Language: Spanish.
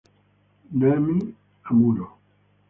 Namie Amuro.